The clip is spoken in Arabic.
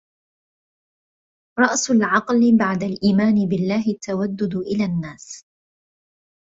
رَأْسُ الْعَقْلِ بَعْدَ الْإِيمَانِ بِاَللَّهِ التَّوَدُّدُ إلَى النَّاسِ